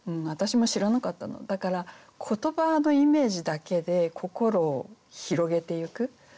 だから言葉のイメージだけで心を広げていく。